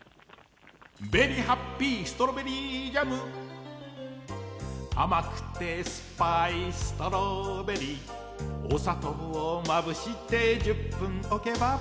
「ベリー・ハッピー・ストロベリージャム」「甘くてすっぱいストロベリー」「おさとうまぶして１０分おけば」